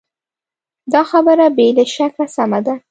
دا خبره بې له شکه سمه ده.